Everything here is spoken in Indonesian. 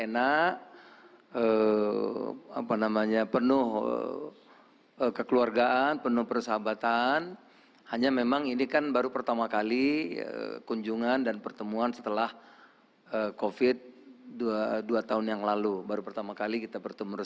nah banyak yang kami sudah berkata